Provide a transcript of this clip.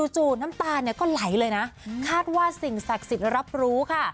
น้ำตาลเนี่ยก็ไหลเลยนะคาดว่าสิ่งศักดิ์สิทธิ์รับรู้ค่ะ